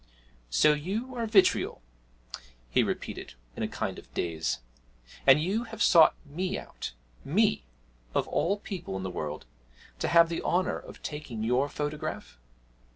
'So you are Vitriol?' he repeated in a kind of daze, 'and you have sought me out me, of all people in the world to have the honour of taking your photograph!'